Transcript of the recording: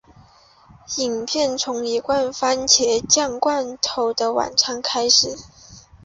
影片从一罐蕃茄酱罐头的晚餐开始。